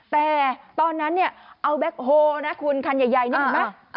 แต่ตอนนั้นเนี่ยเอาแบ็คโฮลนะคุณคันใหญ่นี่เห็นไหม